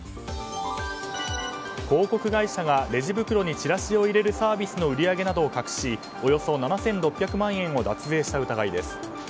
広告会社がレジ袋にチラシを入れるサービスの売り上げなどを隠しおよそ７６００万円を脱税した疑いです。